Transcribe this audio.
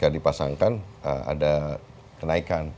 ketika dipasangkan ada kenaikan